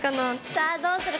さぁどうする？